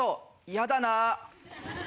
「嫌だなぁ」。